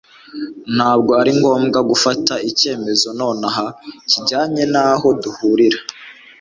ntabwo ari ngombwa gufata icyemezo noneho kijyanye n'aho duhurira